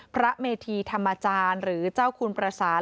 พระเมธีธรรมจารย์หรือเจ้าคุณประสาน